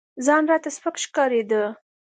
ځان راته سپك ښكارېده.